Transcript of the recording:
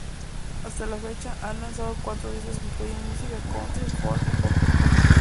Hasta la fecha han lanzado cuatro discos que incluyen música country, folk y pop.